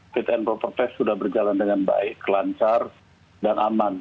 jenderal andika perkasa